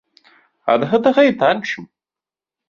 Ад гэтага і танчым!